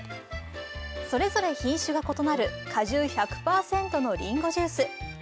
それぞれ品種が異なる果汁１００％のりんごジュース。